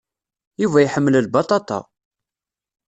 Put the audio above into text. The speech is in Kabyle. Yuba iḥemmel lbaṭaṭa.